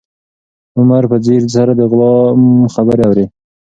عمر په ځیر سره د غلام خبرې اوري.